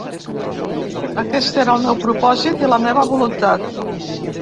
Aquest era el meu propòsit i la meva voluntat.